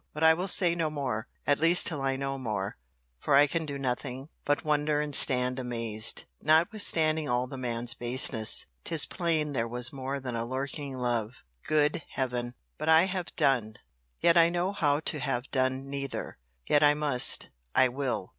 —But I will say no more: at least till I know more: for I can do nothing but wonder and stand amazed. Notwithstanding all the man's baseness, 'tis plain there was more than a lurking love—Good Heaven!—But I have done!—Yet I know not how to have done neither!—Yet I must—I will.